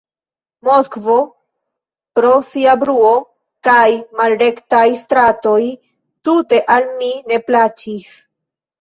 Moskvo pro sia bruo kaj malrektaj stratoj tute al mi ne plaĉis.